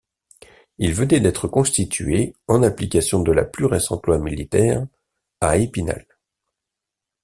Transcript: Il venait d'être constitué, en application de la plus récente loi militaire, à Épinal.